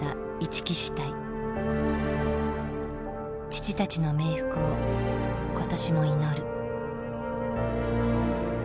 父たちの冥福を今年も祈る。